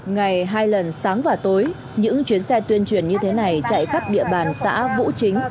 ngày hai lần sáng và tối những chuyến xe tuyên truyền như thế này chạy khắp địa bàn xã vũ chính